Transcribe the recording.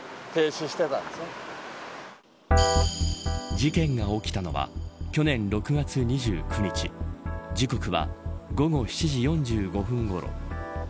事件が起きたのは去年６月２９日時刻は午後７時４５分ごろ。